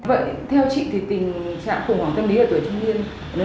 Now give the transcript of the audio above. vậy theo chị thì tình trạng khủng hoảng tâm lý ở tuổi trung niên